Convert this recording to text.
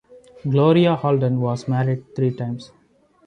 Gloria Holden was married three times.